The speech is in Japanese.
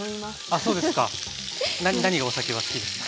あそうですか。何がお酒は好きですか？